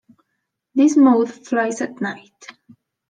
This moth flies at night.